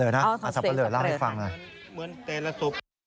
ตรงหัวแกมันจะเป็นตัวหนังสือขึ้นมาเลย